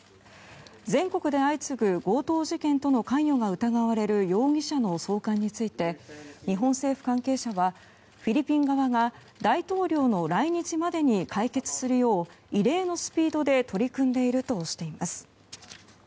全国で相次ぐ強盗事件との関与が疑われる容疑者の送還について日本政府関係者はフィリピン側が大統領の来日までに解決するよう異例のスピードで取り組んでいるとしています。